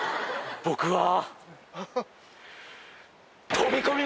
僕は。